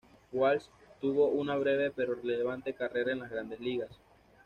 Walsh tuvo una breve pero relevante carrera en las Grandes Ligas.